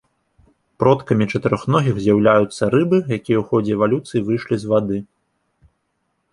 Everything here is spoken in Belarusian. Продкамі чатырохногіх з'яўляюцца рыбы, якія ў ходзе эвалюцыі выйшлі з вады.